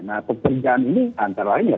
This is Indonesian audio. nah pekerjaan ini antara lainnya